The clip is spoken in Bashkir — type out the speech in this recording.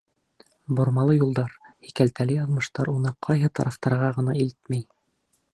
Бормалы юлдар, һикәлтәле яҙмыштар уны ҡайһы тарафтарға ғына илтмәй.